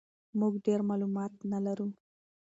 موږ ډېر معلومات نه لرو.